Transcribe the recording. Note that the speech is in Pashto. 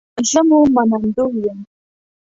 زه مو منندوی یم